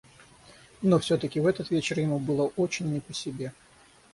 Но всё-таки в этот вечер ему было очень не по себе.